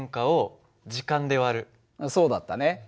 そうだったね。